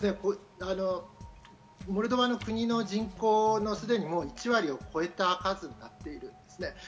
モルドバの国の人口のすでに１割を超えた数になっているんですね。